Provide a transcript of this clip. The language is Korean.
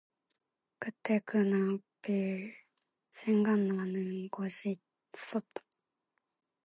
그때 그는 얼핏 생각나는 것이 있었다.